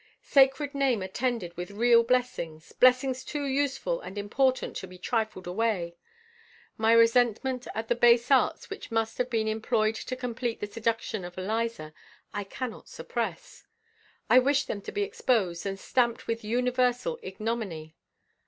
Sacred name attended with real blessings blessings too useful and important to be trifled away. My resentment at the base arts which must have been employed to complete the seduction of Eliza I cannot suppress. I wish them to be exposed, and stamped with universal ignominy.